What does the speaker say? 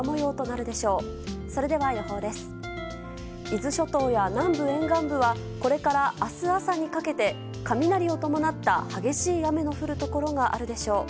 伊豆諸島や南部沿岸部はこれから明日朝にかけて雷を伴った激しい雨の降るところがあるでしょう。